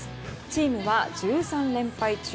チームは１３連敗中。